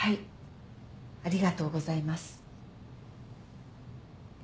ありがとうございます。